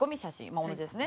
まあ同じですね。